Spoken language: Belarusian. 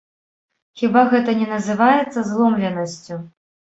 Хіба гэта не называецца зломленасцю?